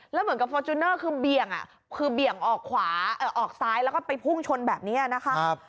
แล้วเหมือนกับฟอร์จูเนอร์คือเบี่ยงคือเบี่ยงออกขวาออกซ้ายแล้วก็ไปพุ่งชนแบบนี้นะคะ